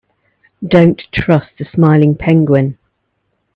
Don't trust the smiling penguin.